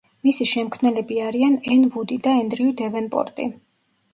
მისი შემქმნელები არიან ენ ვუდი და ენდრიუ დევენპორტი.